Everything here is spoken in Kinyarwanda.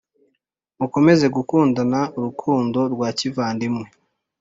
Mukomeze gukundana urukundo rwa kivandimwe